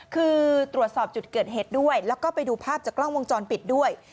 คือตรวจสอบจุดเกิดเหตุด้วยแล้วก็ไปดูภาพจากกล้องวงจรปิดด้วย